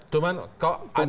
cuman kok ada